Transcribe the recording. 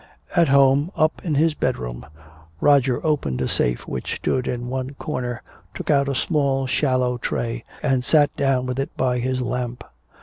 At home, up in his bedroom, Roger opened a safe which stood in one corner, took out a large shallow tray and sat down with it by his lamp.